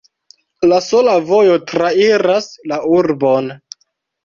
La sola vojo trairas la urbon.